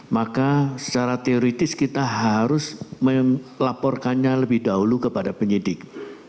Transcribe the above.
maka secara teoritis kita harus melaporkannya lebih dahulu kepada penyidik